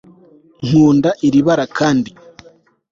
nkunda iri bara, kandi